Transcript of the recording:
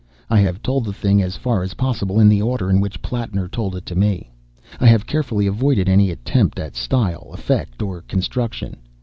I have told the thing as far as possible in the order in which Plattner told it to me. I have carefully avoided any attempt at style, effect, or construction.